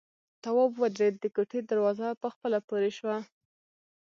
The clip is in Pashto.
تواب ودرېد، د کوټې دروازه په خپله پورې شوه.